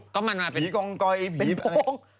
ก็มันมาเป็นผีกองกอยผีเป็นโพง